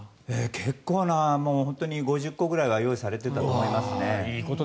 結構な５０個くらいは用意されていたと思いますね。